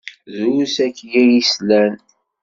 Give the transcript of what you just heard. Drus akya i yeslan.